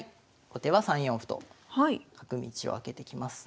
後手は３四歩と角道を開けてきます。